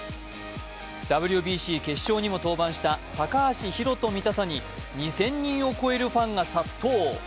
ＷＢＣ決勝にも登板した高橋宏斗見たさに２０００人を超えるファンが殺到。